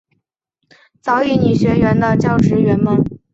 早乙女学园的教职员们。